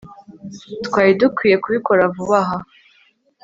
twari dukwiye kubikora vuba aha